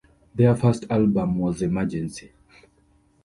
Their first album was "Emergency!".